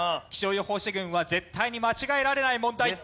気象予報士軍は絶対に間違えられない問題。